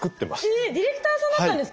えっディレクターさんだったんですか！